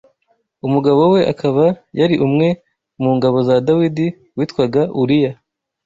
umugabo we akaba yari umwe mu ngabo za Dawidi witwaga Uriya